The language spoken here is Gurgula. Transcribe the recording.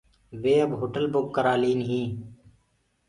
وي اب هوٽل بُڪ ڪرآلين هين۔